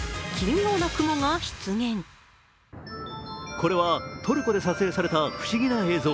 これは、トルコで撮影された不思議な映像。